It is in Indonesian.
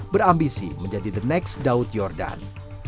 berambisi menjadi the next daud yordan